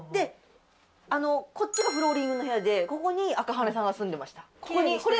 こっちがフローリングの部屋でここに赤羽さんが住んでました。